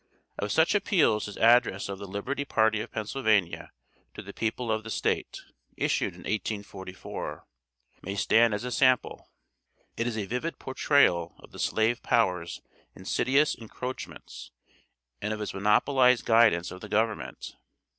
Of such appeals, his address of the "Liberty Party of Pennsylvania, to the people of the State," issued in 1844, may stand as a sample. It is a vivid portrayal of the slave power's insidious encroachments, and of its monopolized guidance of the Government.